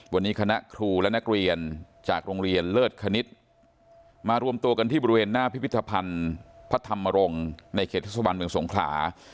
วันนี้คณะครูและนักเรียนจากโรงเรียนเลิศคณิตมารวมตัวกันที่บริเวณหน้าพิพิธภัณฑ์พระธรรมรงค์ในเขตทศวรรณเมืองสงขลา